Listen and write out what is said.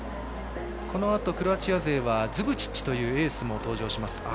このあとクロアチア勢がズブチッチというエースが登場します。